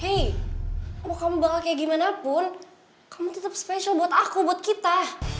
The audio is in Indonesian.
hey mau kamu bakal kayak gimana pun kamu tetap spesial buat aku buat kita